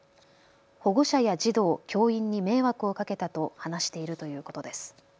保護者や児童、教員に迷惑をかけたと話しているということです。